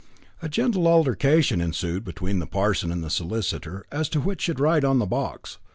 A gentle altercation ensued between the parson and the solicitor, as to which should ride on the box.